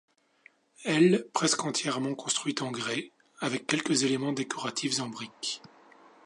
Elle presque entièrement construite en grès, avec quelques éléments décoratifs en briques.